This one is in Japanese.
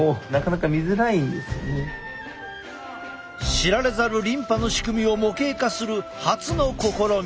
知られざるリンパの仕組みを模型化する初の試み。